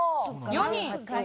４人。